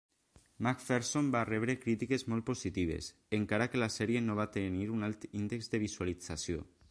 MacPherson va rebre crítiques molt positives, encara que la sèrie no va tenir un alt índex de visualització.